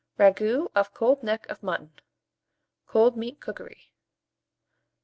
RAGOUT OF COLD NECK OF MUTTON (Cold Meat Cookery). 736.